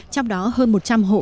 trong đó hơn một trăm linh hộ